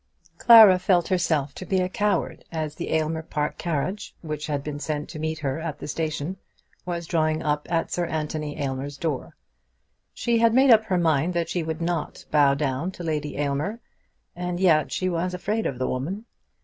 Clara felt herself to be a coward as the Aylmer Park carriage, which had been sent to meet her at the station, was drawn up at Sir Anthony Aylmer's door. She had made up her mind that she would not bow down to Lady Aylmer, and yet she was afraid of the woman.